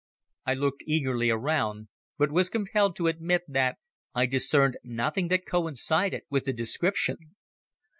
I looked eagerly around but was compelled to admit that I discerned nothing that coincided with the description.